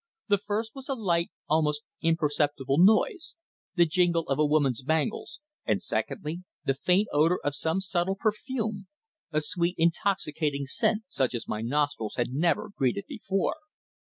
The first was a light, almost imperceptible noise, the jingle of a woman's bangles, and, secondly, the faint odour of some subtle perfume, a sweet, intoxicating scent such as my nostrils had never greeted before.